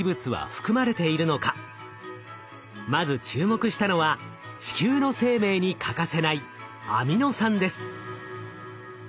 まず注目したのは地球の生命に欠かせないアミノ酸です。